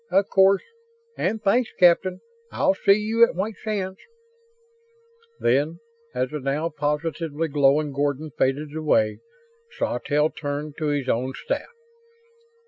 "Of course. And thanks, Captain. I'll see you at White Sands." Then, as the now positively glowing Gordon faded away, Sawtelle turned to his own staff.